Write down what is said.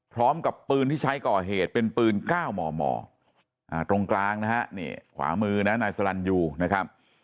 พร้อมกับปืนที่ใช้ก่อเหตุเป็นปืน๙มมตรงกลางนะฮะนี่ขวามือนะนายสลันยูนะครับ